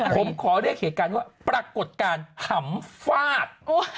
ผมขอเรียกเหตุการณ์ว่าปรากฏการณ์หำฟาด